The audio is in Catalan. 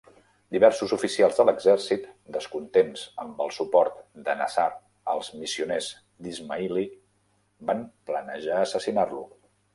Diversos oficials de l'exèrcit, descontents amb el suport de Nasr als missioners d'Ismaili, van planejar assassinar-lo.